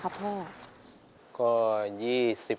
ตัวเลือกที่๔ขึ้น๘